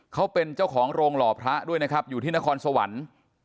เขาเป็นเจ้าของโรงหล่อพระด้วยนะครับอยู่ที่นครสวรรค์